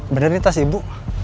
bener ini tas ibu